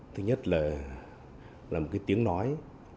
thứ nhất là một cái tiếng nói